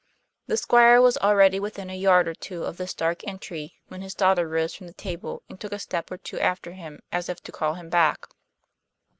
The Squire was already within a yard or two of this dark entry when his daughter rose from the table and took a step or two after him as if to call him back.